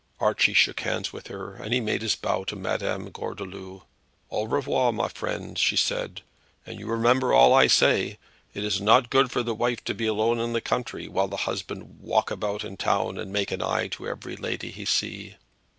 Archie shook hands with her and then made his bow to Madame Gordeloup. "Au revoir, my friend," she said, "and you remember all I say. It is not good for de wife to be all alone in the country, while de husband walk about in the town and make an eye to every lady he see."